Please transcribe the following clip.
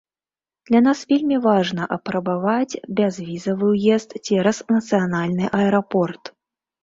Для нас вельмі важна апрабаваць бязвізавы ўезд цераз нацыянальны аэрапорт.